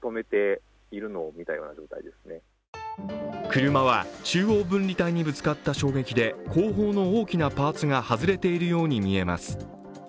車は中央分離帯にぶつかった衝撃で後方の大きなパーツが外れているように見えます。